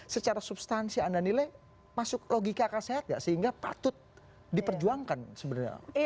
secara substansi anda nilai masuk logika akal sehat gak sehingga patut diperjuangkan sebenarnya